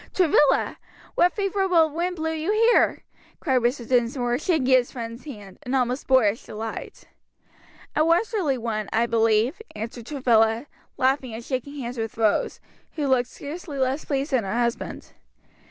"Travilla! what favorable wind blew you here?" cried Mr. Dinsmore, shaking his friend's hand, in almost boyish delight. "A westerly one, I believe," answered Travilla, laughing and shaking hands with Rose, who looked scarcely less pleased than her husband.